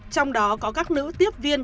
trong đó có các nữ tiếp viên